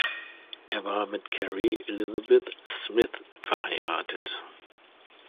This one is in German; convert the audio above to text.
Er war mit Carrie Elizabeth Smith verheiratet.